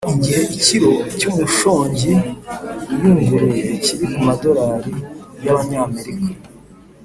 gihe ikilo cy umushongi uyunguruye kiri ku madolari y Abanyamerika